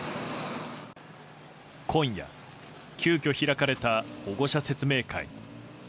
今夜、急きょ開かれた保護者説明会。